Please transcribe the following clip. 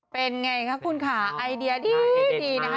เป็นไงคะคุณค่ะไอเดียดีนะคะ